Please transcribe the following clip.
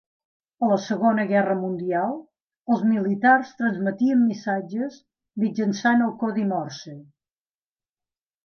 A la Segona Guerra Mundial els militars transmetien missatges mitjançant el codi morse.